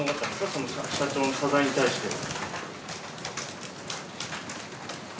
その社長の謝罪に対しては。